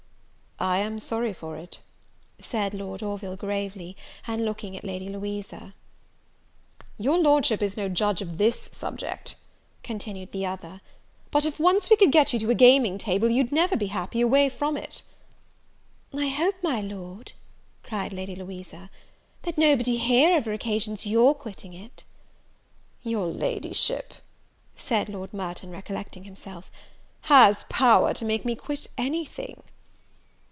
"I am sorry for it," said Lord Orville, gravely, and looking at Lady Louisa. "Your Lordship is no judge of this subject," continued the other; "but if once we could get you to a gaming table, you'd never be happy away from it!" "I hope, my Lord," cried Lady Louisa, "that nobody here ever occasions your quitting it." "Your Ladyship," said Lord Merton, recollecting himself, "has power to make me quit any thing."